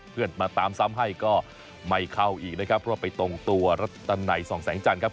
เพื่อนมาตามซ้ำให้ก็ไม่เข้าอีกนะครับเพราะว่าไปตรงตัวรัตนัยส่องแสงจันทร์ครับ